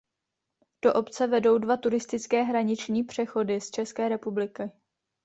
Do obce vedou dva turistické hraniční přechody z České republiky.